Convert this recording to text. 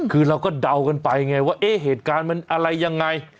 คือเราก็เดากันไปไงว่าเอ๊ะเหตุการณ์มันอะไรยังไง